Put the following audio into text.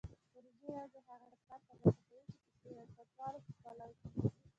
پروژې یوازې هغه کسان ترلاسه کوي چې د سیاستوالو په پلو کې وي.